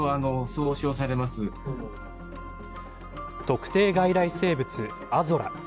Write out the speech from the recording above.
特定外来生物アゾラ。